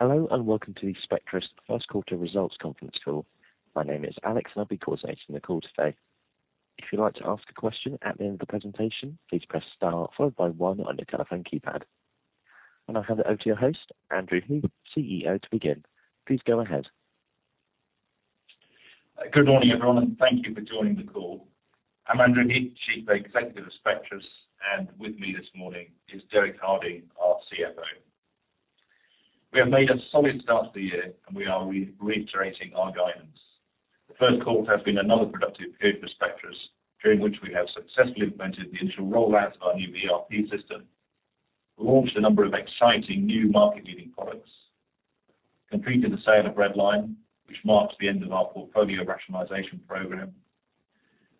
Hello, and welcome to the Spectris First Quarter Results Conference Call. My name is Alex, and I'll be coordinating the call today. If you'd like to ask a question at the end of the presentation, please press star followed by one on your telephone keypad. And I'll hand it over to your host, Andrew Heath, CEO, to begin. Please go ahead. Good morning, everyone, and thank you for joining the call. I'm Andrew Heath, Chief Executive of Spectris, and with me this morning is Derek Harding, our CFO. We have made a solid start to the year, and we are reiterating our guidance. The first quarter has been another productive period for Spectris, during which we have successfully implemented the initial rollout of our new ERP system, launched a number of exciting new market-leading products, completed the sale of Red Lion Controls, which marks the end of our portfolio rationalization program.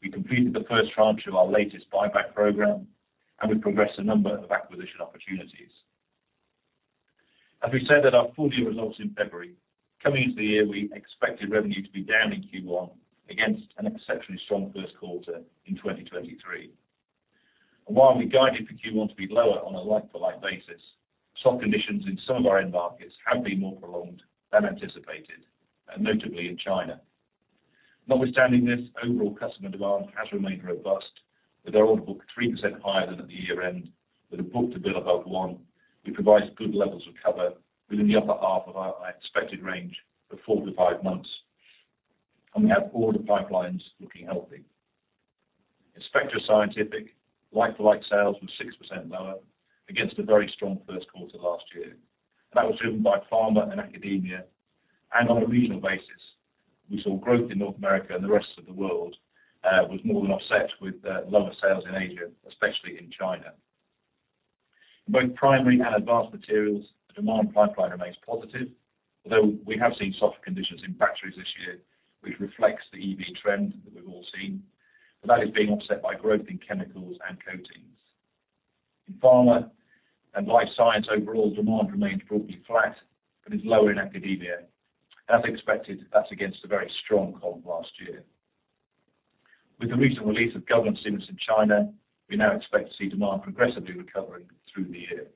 We completed the first tranche of our latest buyback program, and we progressed a number of acquisition opportunities. As we said at our full-year results in February, coming into the year, we expected revenue to be down in Q1 against an exceptionally strong first quarter in 2023. While we guided for Q1 to be lower on a like-for-like basis, soft conditions in some of our end markets have been more prolonged than anticipated, and notably in China. Notwithstanding this, overall customer demand has remained robust, with our order book 3% higher than at the year-end, with a book-to-bill above one, which provides good levels of cover within the upper half of our expected range of four-five months. We have order pipelines looking healthy. In Spectris Scientific, like-for-like sales were 6% lower against a very strong first quarter last year. That was driven by pharma and academia, and on a regional basis, we saw growth in North America, and the rest of the world was more than offset with lower sales in Asia, especially in China. Both Primary and Advanced Materials, the demand pipeline remains positive, although we have seen softer conditions in batteries this year, which reflects the EV trend that we've all seen, but that is being offset by growth in chemicals and coatings. In pharma and life science, overall demand remains broadly flat, but is lower in academia. As expected, that's against a very strong call last year. With the recent release of government stimulus in China, we now expect to see demand progressively recovering through the year.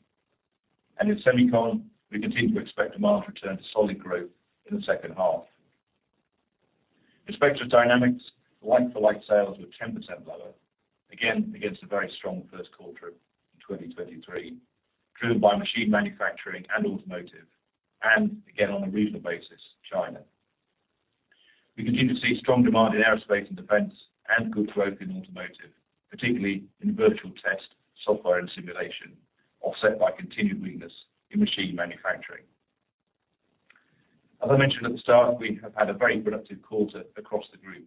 And in semicon, we continue to expect demand to return to solid growth in the second half. In Spectris Dynamics, like-for-like sales were 10% lower, again, against a very strong first quarter in 2023, driven by machine manufacturing and automotive, and again, on a regional basis, China. We continue to see strong demand in aerospace and defense and good growth in automotive, particularly in virtual test, software, and simulation, offset by continued weakness in machine manufacturing. As I mentioned at the start, we have had a very productive quarter across the group.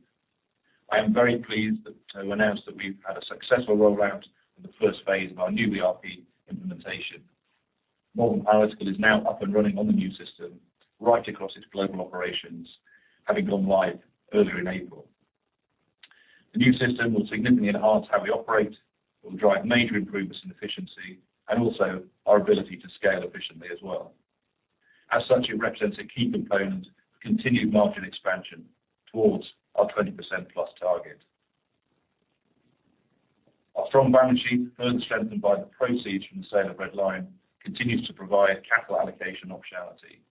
I am very pleased to announce that we've had a successful rollout in the first phase of our new ERP implementation. More than half is now up and running on the new system right across its global operations, having gone live earlier in April. The new system will significantly enhance how we operate, will drive major improvements in efficiency, and also our ability to scale efficiently as well. As such, it represents a key component of continued margin expansion towards our 20%+ target. Our strong balance sheet, further strengthened by the proceeds from the sale of Red Lion Controls, continues to provide capital allocation optionality,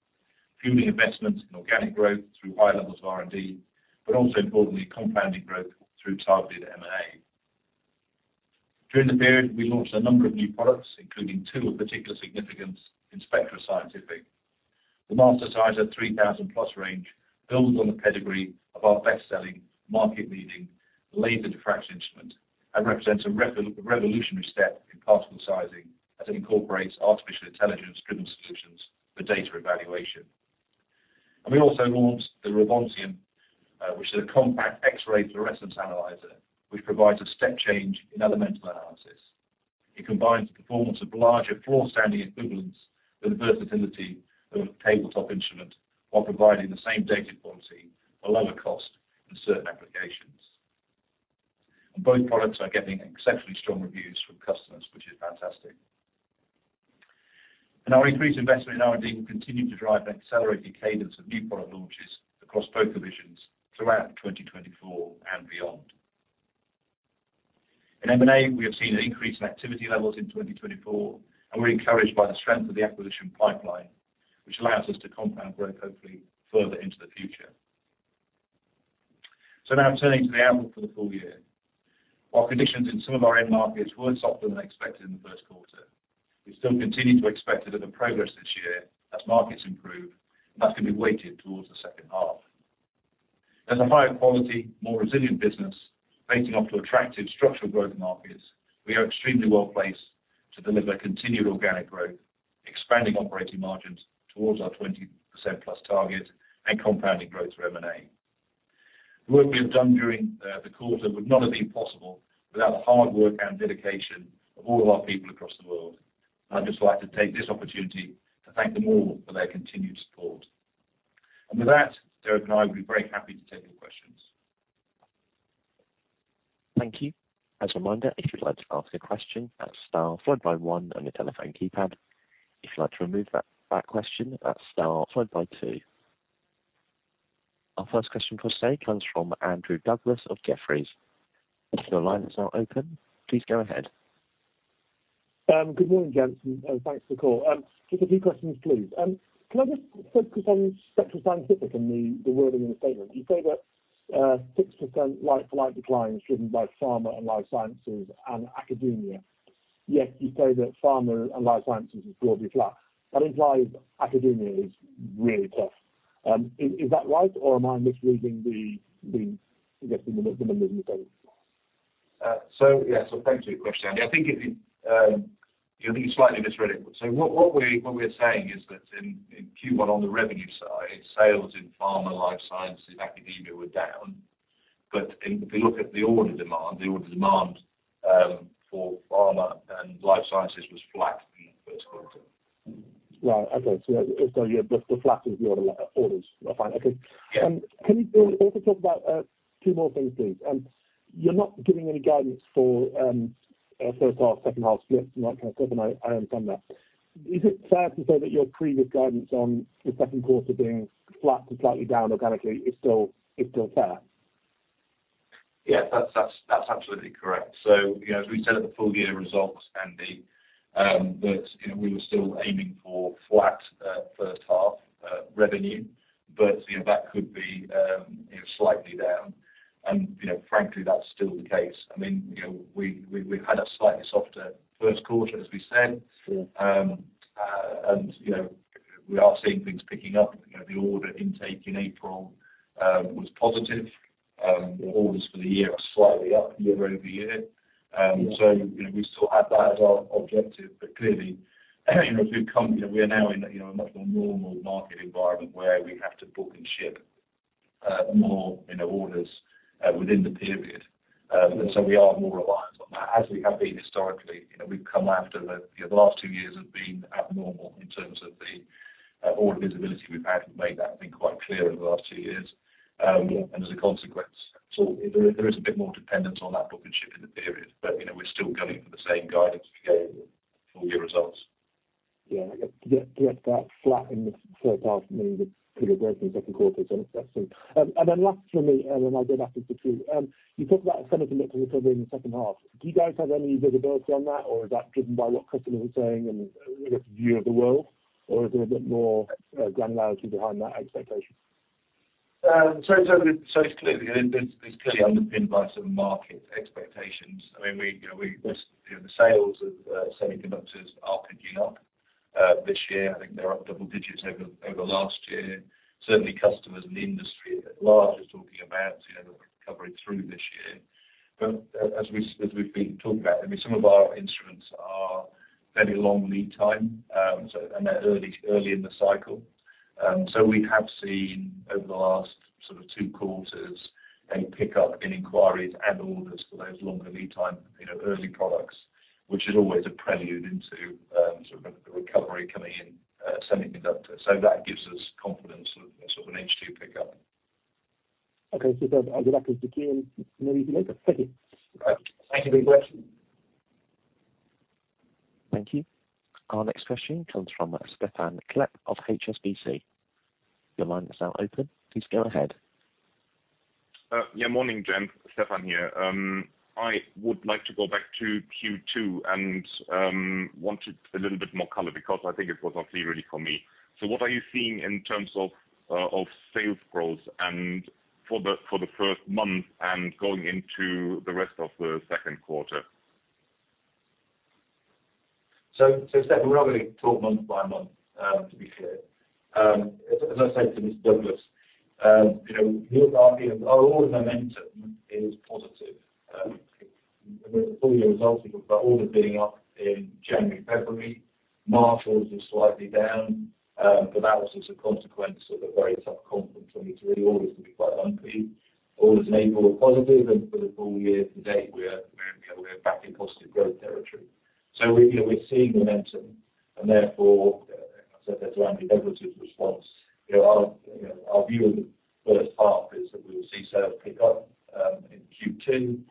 fueling investments in organic growth through high levels of R&D, but also importantly, compounding growth through targeted M&A. During the period, we launched a number of new products, including two of particular significance in Spectris Scientific. The Mastersizer 3000+ range builds on the pedigree of our best-selling, market-leading laser diffraction instrument and represents a revolutionary step in particle sizing, as it incorporates artificial intelligence-driven solutions for data evaluation. We also launched the Revontium, which is a compact X-ray fluorescence analyzer, which provides a step change in elemental analysis. It combines the performance of larger floor-standing equivalents with the versatility of a tabletop instrument while providing the same data quality at lower cost in certain applications. Both products are getting exceptionally strong reviews from customers, which is fantastic. Our increased investment in R&D will continue to drive an accelerated cadence of new product launches across both divisions throughout 2024 and beyond. In M&A, we have seen an increase in activity levels in 2024, and we're encouraged by the strength of the acquisition pipeline, which allows us to compound growth, hopefully further into the future. Now turning to the outlook for the full year. While conditions in some of our end markets were softer than expected in the first quarter, we still continue to expect a bit of progress this year as markets improve, and that's going to be weighted towards the second half. As a higher quality, more resilient business, facing off to attractive structural growth markets, we are extremely well placed to deliver continued organic growth, expanding operating margins towards our 20%+ target and compounding growth through M&A. The work we have done during the quarter would not have been possible without the hard work and dedication of all of our people across the world. I'd just like to take this opportunity to thank them all for their continued support. With that, Derek and I would be very happy to take your questions. Thank you. As a reminder, if you'd like to ask a question, press star followed by one on your telephone keypad. If you'd like to remove that question, press star followed by two.... Our first question for today comes from Andrew Douglas of Stifel. Your line is now open. Please go ahead. Good morning, gents, and thanks for the call. Just a few questions, please. Can I just focus on Spectris Scientific and the wording in the statement? You say that 6% like-for-like decline is driven by pharma and life sciences and academia. Yet you say that pharma and life sciences is globally flat. That implies academia is really tough. Is that right, or am I misreading the, I guess, the numbers in the statement? So yeah, so thank you for your question, Andy. I think it, you slightly misread it. So what we're saying is that in Q1, on the revenue side, sales in pharma, life sciences, academia were down, but if you look at the order demand for pharma and life sciences was flat in the first quarter. Right. Okay. So yeah, the flat is the orders. Fine. Okay. Yeah. Can you also talk about two more things, please? You're not giving any guidance for a first half, second half split, and that kind of thing, and I understand that. Is it fair to say that your previous guidance on the second quarter being flat to slightly down organically is still fair? Yeah, that's, that's, that's absolutely correct. So, you know, as we said at the full year results, Andy, that, you know, we were still aiming for flat first half revenue, but, you know, that could be, you know, slightly down and, you know, frankly, that's still the case. I mean, you know, we've had a slightly softer first quarter, as we said. Sure. You know, we are seeing things picking up. You know, the order intake in April was positive. The orders for the year are slightly up year-over-year. Yeah. So, you know, we still have that as our objective, but clearly, you know, if we've come, you know, we are now in a, you know, a much more normal market environment, where we have to book and ship more, you know, orders within the period. And so we are more reliant on that as we have been historically. You know, we've come after the... You know, the last two years have been abnormal in terms of the order visibility we've had. We've made that quite clear over the last two years. Yeah. As a consequence, there is a bit more dependence on that book and ship in the period, but, you know, we're still going for the same guidance we gave for the full year results. Yeah, get that flat in the first half, meaning the bigger growth in the second quarter, so that's soon. And then last for me, and then I go back to the queue. You talked about semiconductors recovering in the second half. Do you guys have any visibility on that, or is that driven by what customers are saying and view of the world, or is there a bit more granularity behind that expectation? So clearly, it's underpinned by some market expectations. I mean, you know, the sales of semiconductors are picking up this year. I think they're up double digits over last year. Certainly, customers in the industry at large are talking about, you know, recovering through this year. As we've been talking about, I mean, some of our instruments are very long lead time, so and they're early in the cycle. So we have seen over the last sort of two quarters, a pickup in inquiries and orders for those longer lead time, you know, early products, which is always a prelude into sort of a recovery coming in semiconductor. So that gives us confidence in sort of an H2 pickup. Okay. So I'll go back to the queue, and maybe later. Thank you. Thank you very much. Thank you. Our next question comes from Stephan Klepp of HSBC. Your line is now open. Please go ahead. Yeah, morning, gents. Stephan here. I would like to go back to Q2 and wanted a little bit more color because I think it was not clear really for me. So what are you seeing in terms of sales growth and for the first month and going into the rest of the second quarter? So, Stephan, we're not going to talk month by month, to be clear. As I said to Mr. Douglas, you know, our order momentum is positive. The full year results, but orders being up in January, February. March was slightly down, but that was as a consequence of a very tough comps for orders, to be quite honest, orders in April were positive, and for the full year to date, you know, we're back in positive growth territory. So we, you know, we're seeing momentum, and therefore, as I said to Andy Douglas's response, you know, our view of the first half is that we will see sales pick up in Q2.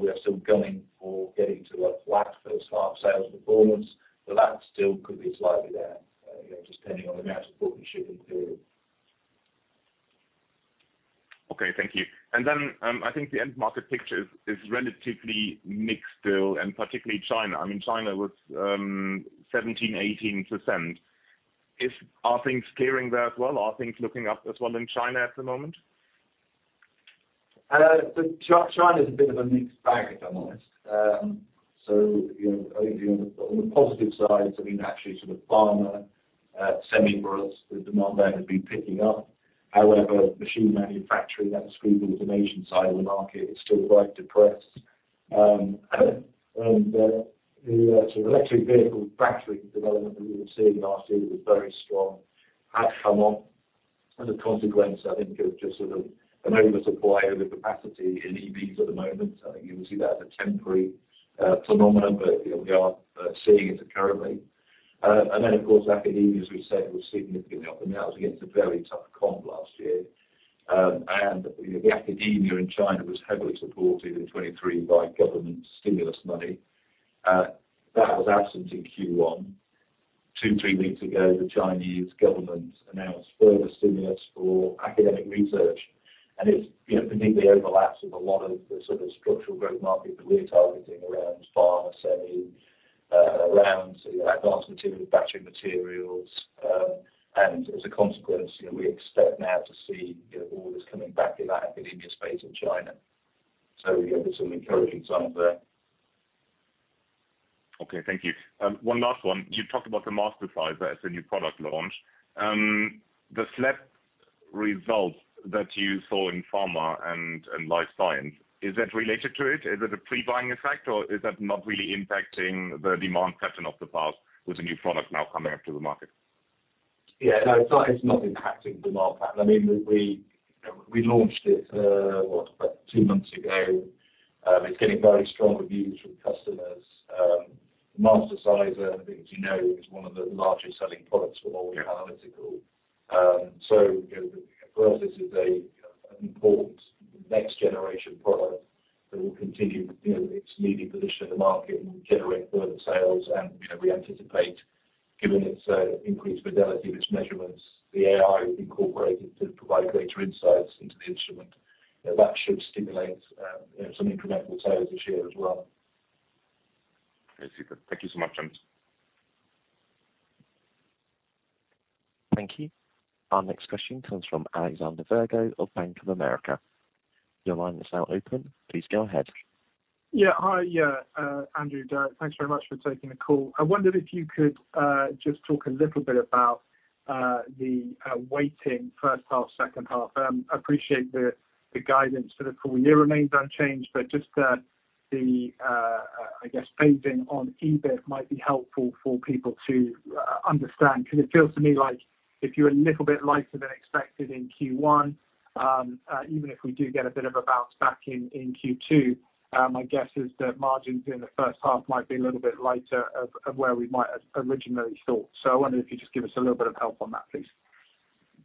We are still gunning for getting to a flat first half sales performance, but that still could be slightly down, you know, just depending on the amount of book we ship in the period. Okay, thank you. And then, I think the end market picture is relatively mixed still, and particularly China. I mean, China was 17%-18%. Are things clearing there as well? Are things looking up as well in China at the moment? China is a bit of a mixed bag, if I'm honest. So, you know, on the positive side, I mean, actually sort of pharma, semi worlds, the demand there has been picking up. However, machine manufacturing, that serves the Asian side of the market, is still quite depressed. And the sort of electric vehicle battery development that we were seeing last year was very strong, has come off. As a consequence, I think it was just sort of an oversupply overcapacity in EVs at the moment. I think you will see that as a temporary phenomenon, but, you know, we are seeing it currently. And then, of course, academia, as we said, was significantly up, and that was against a very tough comp last year. You know, the academia in China was heavily supported in 2023 by government stimulus money. That was absent in Q1. Two-three weeks ago, the Chinese government announced further stimulus for academic research, and it's, you know, completely overlaps with a lot of the sort of structural growth market that we're targeting around pharma, semi, around advanced materials, battery materials. And as a consequence, you know, we expect now to see, you know, orders coming back in that academia space in China. So, you know, there's some encouraging signs there. Okay, thank you. One last one. You talked about the Mastersizer as a new product launch. The flat results that you saw in pharma and life science, is that related to it? Is it a pre-buying effect, or is that not really impacting the demand pattern of the past with the new product now coming up to the market? Yeah. No, it's not, it's not impacting the market pattern. I mean, we, we launched it, what? About two months ago. It's getting very strong reviews from customers. Mastersizer, as you know, is one of the largest selling products for Malvern Panalytical. So, you know, for us, this is a, an important next generation product that will continue, you know, its leading position in the market and generate further sales. And, you know, we anticipate, given its, increased fidelity of its measurements, the AI incorporated to provide greater insights into the instrument, you know, that should stimulate, you know, some incremental sales this year as well. Okay, super. Thank you so much, James. Thank you. Our next question comes from Alexander Virgo of Bank of America. Your line is now open. Please go ahead. Yeah. Hi, yeah, Andrew, thanks very much for taking the call. I wondered if you could just talk a little bit about the weighting first half, second half. Appreciate the guidance for the full year remains unchanged, but just I guess pacing on EBIT might be helpful for people to understand. Because it feels to me like if you're a little bit lighter than expected in Q1, even if we do get a bit of a bounce back in Q2, my guess is that margins in the first half might be a little bit lighter of where we might have originally thought. So I wonder if you could just give us a little bit of help on that, please.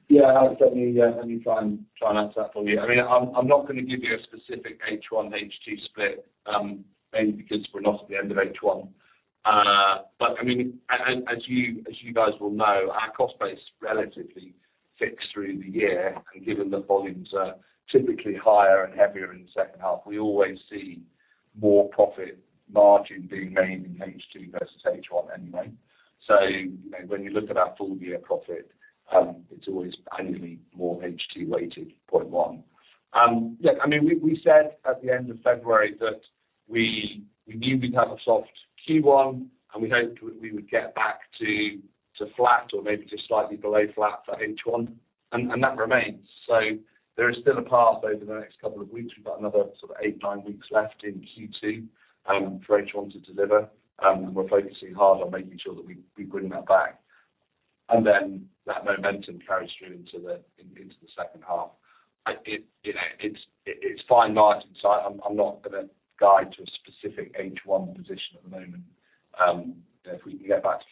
Yeah, I'll certainly let me try and answer that for you. I mean, I'm not gonna give you a specific H1/H2 split, mainly because we're not at the end of H1. But I mean, as you guys will know, our cost base is relatively fixed through the year, and given the volumes are typically higher and heavier in the second half, we always see more profit margin being made in H2 versus H1 anyway. So, you know, when you look at our full year profit, it's always annually more H2 weighted point one. Yeah, I mean, we said at the end of February that we knew we'd have a soft Q1, and we hoped we would get back to flat or maybe to slightly below flat for H1, and that remains. So there is still a path over the next couple of weeks. We've got another sort of eight-nine weeks left in Q2 for H1 to deliver. And we're focusing hard on making sure that we bring that back. And then that momentum carries through into the second half. It, you know, it's fine margin, so I'm not gonna guide to a specific H1 position at the moment. If we can get back to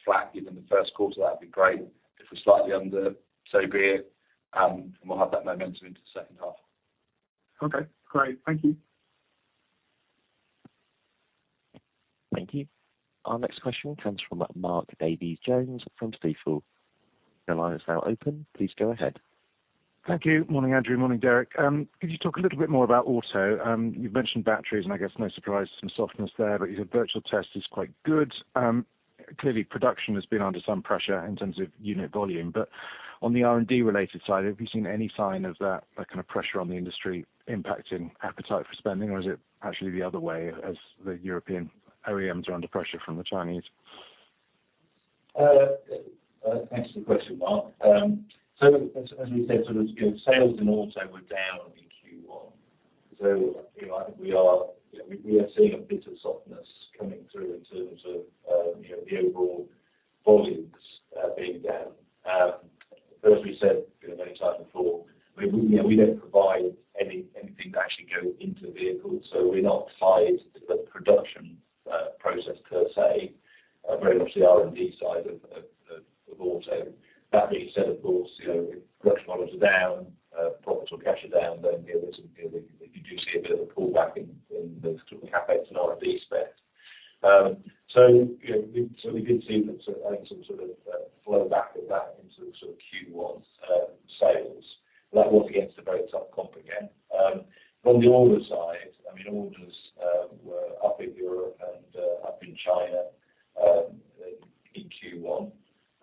flat given the first quarter, that'd be great. If we're slightly under, so be it, and we'll have that momentum into the second half. Okay, great. Thank you. Thank you. Our next question comes from Mark Davies Jones from Jefferies. Your line is now open, please go ahead. Thank you. Morning, Andrew, morning, Derek. Could you talk a little bit more about auto? You've mentioned batteries, and I guess no surprise, some softness there, but you said Virtual Test is quite good. Clearly production has been under some pressure in terms of unit volume, but on the R&D related side, have you seen any sign of that, that kind of pressure on the industry impacting appetite for spending? Or is it actually the other way as the European OEMs are under pressure from the Chinese? Thanks for the question, Mark. So as we said, so the sales in auto were down in Q1, so, you know, I think we are seeing a bit of softness coming through in terms of, you know, the overall volumes being down. But as we said, you know, many times before, we, you know, we don't provide anything to actually go into the vehicle, so we're not tied to the production process per se, very much the R&D side of auto. That being said, of course, you know, if production volumes are down, profits will crash down, then you'll be able to, you know, you do see a bit of a pullback in the CapEx and R&D spend. So, you know, we did see some sort of flow back of that into the sort of Q1 sales. That was, again, a very tough comp again. From the orders side, I mean, orders were up in Europe and up in China in Q1.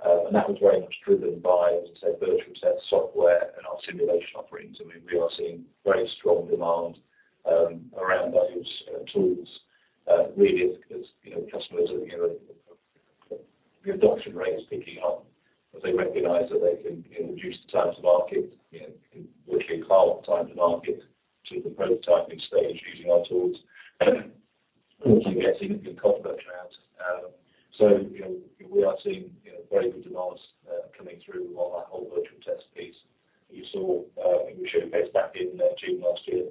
And that was very much driven by, as I said, Virtual Test software and our simulation offerings. I mean, we are seeing very strong demand around those tools really as, you know, customers are, you know, the adoption rate is picking up, as they recognize that they can reduce the time to market, you know, which can cut time to market to the prototyping stage using our tools and keep getting the cost of that out. You know, we are seeing, you know, very good demands coming through on our whole Virtual Test piece that you saw, we showed back in June last year.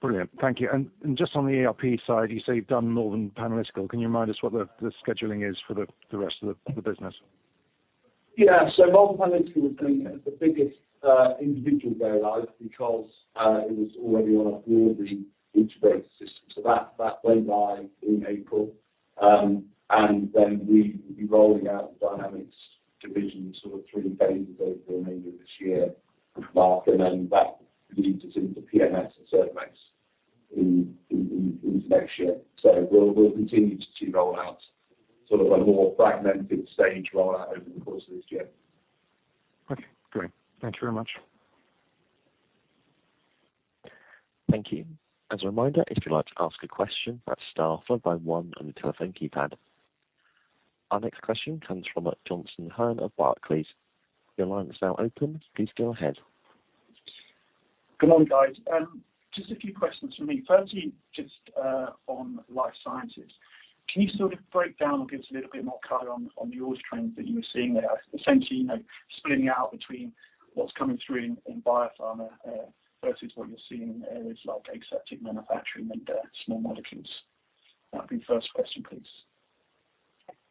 Brilliant, thank you. And just on the ERP side, you say you've done Malvern Panalytical. Can you remind us what the scheduling is for the rest of the business?... Yeah, so Malvern Panalytical was going as the biggest individual go-live because it was already on all the integrated systems. So that went live in April. And then we will be rolling out the Dynamics division, sort of three phases over the remainder of this year, Mark, and then that leads us into PMS and Servomex in next year. So we'll continue to roll out sort of a more fragmented stage rollout over the course of this year. Okay, great. Thank you very much. Thank you. As a reminder, if you'd like to ask a question, press star followed by one on your telephone keypad. Our next question comes from Jonathan Hurn of Barclays. Your line is now open. Please go ahead. Good morning, guys. Just a few questions from me. Firstly, just on life sciences. Can you sort of break down or give us a little bit more color on the orders trends that you were seeing there? Essentially, you know, splitting out between what's coming through in biopharma versus what you're seeing in areas like aseptic manufacturing and small molecules. That'd be first question, please.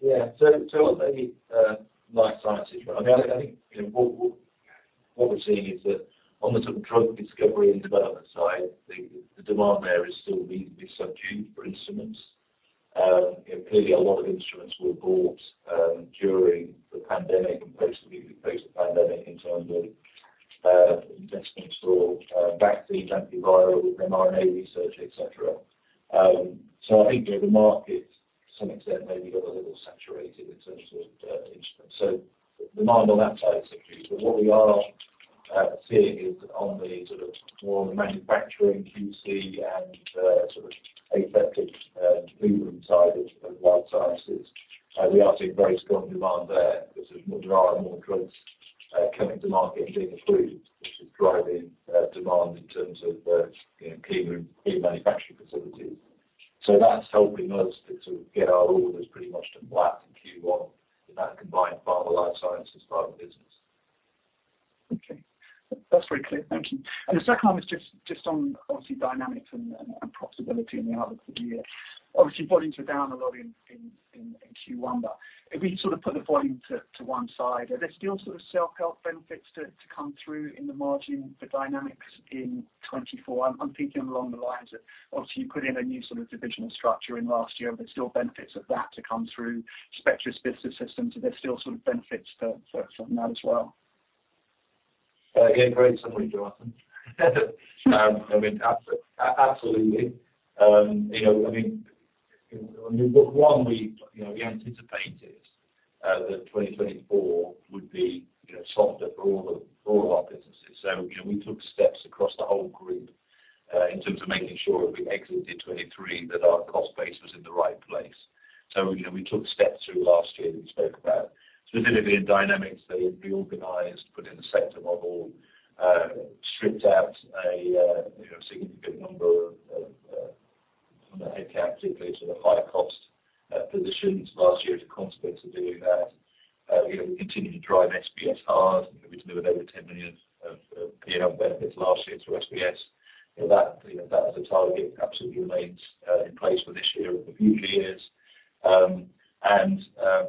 Yeah. So, so on the, life sciences, I mean, I think, you know, what, what we're seeing is that on the sort of drug discovery and development side, the, the demand there is still reasonably subdued for instruments. Clearly a lot of instruments were bought, during the pandemic, and post the, post the pandemic in terms of, investments for, vaccine, antiviral, mRNA research, et cetera. So I think that the market, to some extent, maybe got a little saturated in terms of, instruments, so demand on that side is decreased. But what we are seeing is on the sort of more manufacturing QC and sort of aseptic movement side of life sciences, we are seeing very strong demand there because there's more, there are more drugs coming to market and being approved, which is driving demand in terms of you know, clean room, clean manufacturing facilities. So that's helping us to sort of get our orders pretty much to black in Q1, in that combined part of the life sciences part of the business. Okay. That's very clear. Thank you. And the second one is just on obviously dynamics and profitability and the outlook for the year. Obviously, volumes are down a lot in Q1, but if we sort of put the volume to one side, are there still sort of self-help benefits to come through in the margin for dynamics in 2024? I'm thinking along the lines that obviously you put in a new sort of divisional structure in last year, but there's still benefits of that to come through Spectris, are there still sort of benefits from that as well? Yeah, great summary, Jonathan. I mean, absolutely. You know, I mean, number one, we, you know, we anticipated that 2024 would be, you know, softer for all the, all of our businesses. So, you know, we took steps across the whole group in terms of making sure that we exited 2023, that our cost base was in the right place. So, you know, we took steps through last year, we spoke about. Specifically in Dynamics, they reorganized, put in the sector model, stripped out a significant number of headcount, particularly to the higher cost positions last year as a consequence of doing that. You know, we continued to drive SBS hard. We delivered over 10 million of P&L benefits last year through SBS. You know, that, you know, that as a target absolutely remains in place for this year and the future years. And,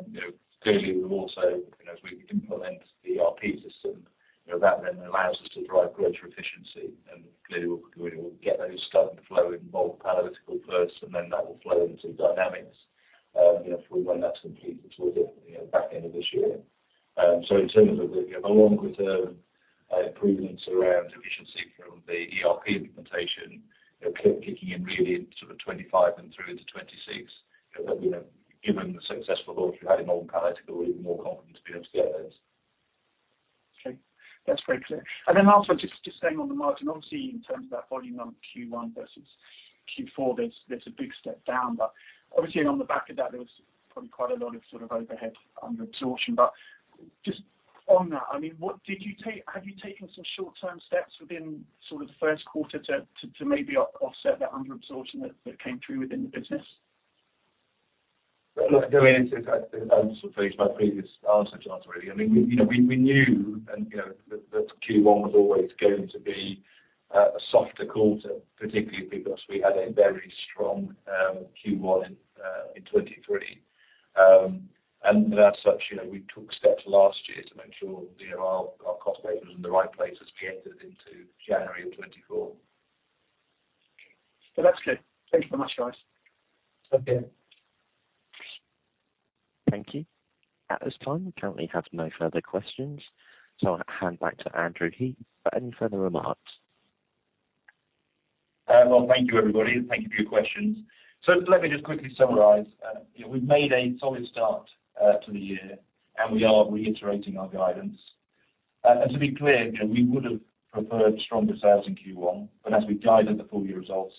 you know, clearly, we've also, you know, as we implement the ERP system, you know, that then allows us to drive greater efficiency and clearly, we'll get those starting to flow in Malvern Panalytical first, and then that will flow into Dynamics, you know, through when that's complete towards the, you know, back end of this year. So in terms of the longer term improvements around efficiency from the ERP implementation, kicking in really into 25 and through into 2026, you know, given the successful launch we've had in Malvern Panalytical, we're even more confident to be able to get those. Okay. That's very clear. And then last one, just staying on the margin, obviously, in terms of that volume on Q1 versus Q4, there's a big step down, but obviously on the back of that, there was probably quite a lot of sort of overhead under absorption. But just on that, I mean, have you taken some short-term steps within sort of the first quarter to maybe offset that under absorption that came through within the business? Look, going into my previous answer, Jonathan, really, I mean, you know, we, we knew and, you know, that, that Q1 was always going to be a softer quarter, particularly because we had a very strong Q1 in 2023. And as such, you know, we took steps last year to make sure, you know, our, our cost base was in the right place as we entered into January of 2024. That's clear. Thank you very much, guys. Okay. Thank you. At this time, we currently have no further questions, so I'll hand back to Andrew Heath for any further remarks. Well, thank you, everybody, and thank you for your questions. So let me just quickly summarize. You know, we've made a solid start to the year, and we are reiterating our guidance. And to be clear, you know, we would have preferred stronger sales in Q1, but as we guided the full year results,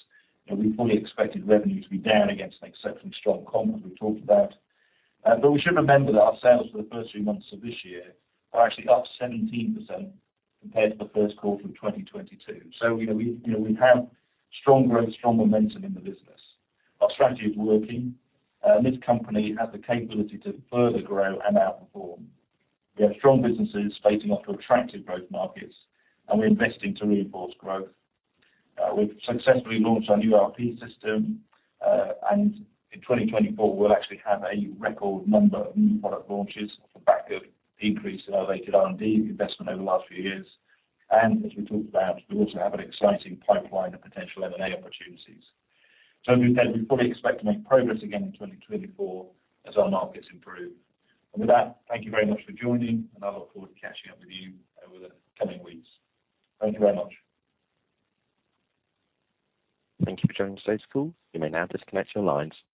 you know, we fully expected revenue to be down against an exceptionally strong comp, as we talked about. But we should remember that our sales for the first three months of this year are actually up 17% compared to the first quarter of 2022. So, you know, we, you know, we have strong growth, strong momentum in the business. Our strategy is working, and this company has the capability to further grow and outperform. We have strong businesses facing off to attractive growth markets, and we're investing to reinforce growth. We've successfully launched our new ERP system, and in 2024, we'll actually have a record number of new product launches off the back of increased elevated R&D investment over the last few years. And as we talked about, we also have an exciting pipeline of potential M&A opportunities. So as we've said, we fully expect to make progress again in 2024 as our markets improve. And with that, thank you very much for joining, and I look forward to catching up with you over the coming weeks. Thank you very much. Thank you for joining today's call. You may now disconnect your lines.